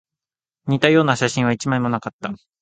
似たような写真は一枚もなかった